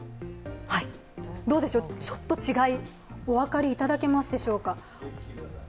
どうでしょう、ちょっと違い、お分かりいただけますでしょうか。